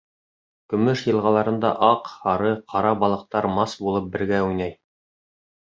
Көмөш йылғаларында аҡ, һары, ҡара балыҡтар мас булып бергә уйнай.